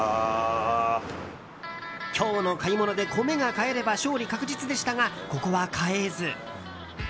今日の買い物で米が買えれば勝利確実でしたが、ここは買えず。